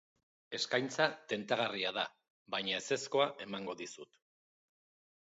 Eskaintza tentagarria da baina ezezkoa emango dizut.